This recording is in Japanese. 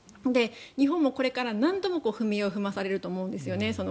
日本もこれから何度も踏み絵を踏まされると思うんです。